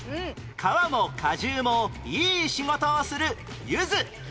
皮も果汁もいい仕事をするゆず